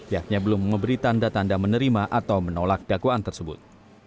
yakni belum memberi tanda tanda menerima atau menolak dakwaan tersebut